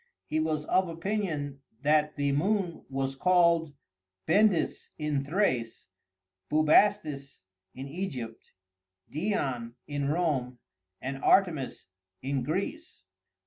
He was of opinion that the moon was called Bendis in Thrace, Bubastis in Egypt, Dian in Rome, and Artemis in Greece.